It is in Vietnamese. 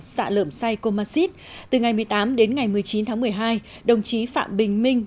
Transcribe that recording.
xạ lợm say comasit từ ngày một mươi tám đến ngày một mươi chín tháng một mươi hai đồng chí phạm bình minh